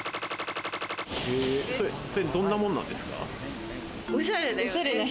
どんなもんなんですか？